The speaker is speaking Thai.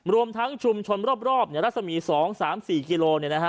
รวมทั้งชุมชนรอบรัศมี๒๓๔กิโล